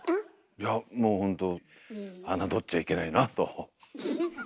いやもうほんと侮っちゃいけないなと。